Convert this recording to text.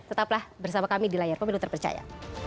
tetaplah bersama kami di layar pemilu terpercaya